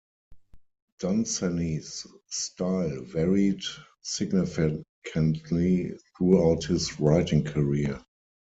Dunsany's style varied significantly throughout his writing career.